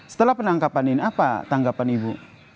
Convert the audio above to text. setelah penangkapan ini apa tanggapan ibu